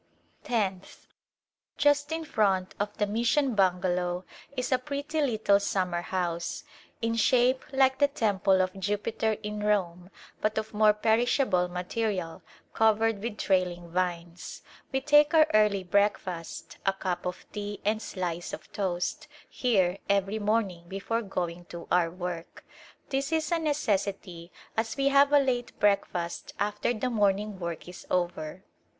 Tenth. Just in front of the mission bungalow is a pretty little summer house, in shape like the Temple of u A Favorable Introduction Jupiter in Rome, but of more perishable material, covered with trailing vines. We take our early breakfast — a cup of tea and slice of toast — here every morning before going to our work. This is a ne cessity as we have a late breakfast after the morning work is over.